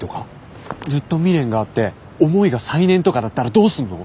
ずっと未練があって思いが再燃とかだったらどうすんの？